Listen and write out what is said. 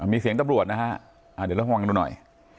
มีเสียงตำรวจนะฮะเดี๋ยวเราหอว์งดูหน่อย